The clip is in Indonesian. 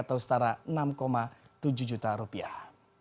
atau setara enam tujuh juta rupiah